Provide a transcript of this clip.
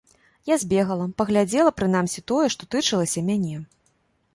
Я збегала, паглядзела, прынамсі тое, што тычылася мяне.